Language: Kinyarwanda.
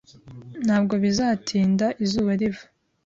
Ntabwo bizatinda izuba riva.